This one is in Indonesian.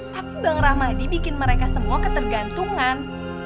tapi bang rahmadi bikin mereka semua ketergantungan